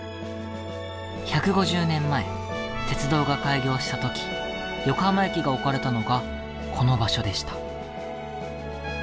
１５０年前鉄道が開業した時横浜駅が置かれたのがこの場所でした。